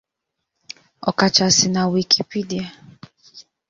ọkachasị na Wikipedia.